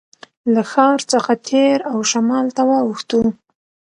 له ښار څخه تېر او شمال ته واوښتو.